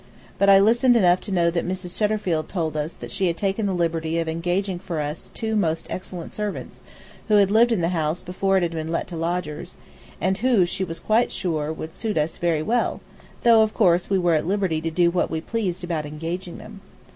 But I listened enough to know that Mrs. Shutterfield told us that she had taken the liberty of engaging for us two most excellent servants, who had lived in the house before it had been let to lodgers, and who, she was quite sure, would suit us very well, though, of course, we were at liberty to do what we pleased about engaging them.